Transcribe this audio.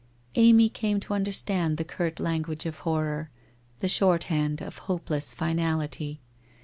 Amy came to understand the curt language of horror, the shorthand of hopeless finality.